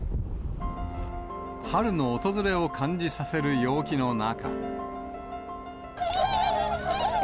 春の訪れを感じさせる陽気の中。